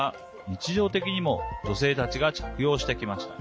日常的にも女性たちが着用してきました。